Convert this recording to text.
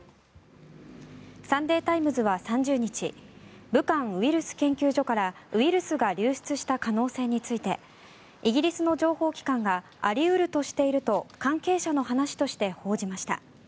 サンデー・タイムズは３０日武漢ウイルス研究所からウイルスが流出した可能性についてイギリスの情報機関があり得るとしていると関係者の話として報じました。